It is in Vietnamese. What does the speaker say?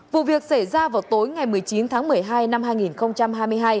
vụ việc xảy ra vào tối ngày một mươi chín tháng một mươi hai năm hai nghìn hai mươi hai